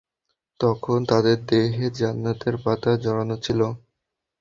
তখন তাদের দেহে জান্নাতের পাতা জড়ানো ছিল।